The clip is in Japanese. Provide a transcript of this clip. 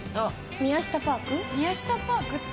宮下パークっていうの？